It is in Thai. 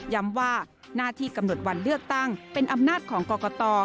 ว่าหน้าที่กำหนดวันเลือกตั้งเป็นอำนาจของกรกต